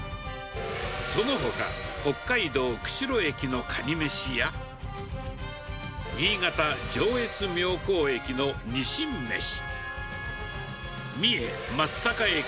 そのほか、北海道釧路駅のかに飯や、新潟・上越妙高駅のにしんめし。